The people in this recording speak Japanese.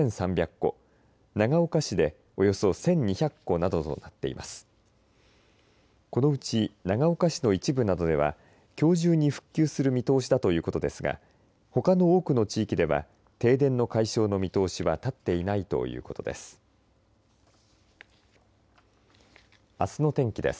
このうち長岡市の一部などではきょう中に復旧する見通しだということですがほかの多くの地域では停電の解消の見通しは立っていないということです。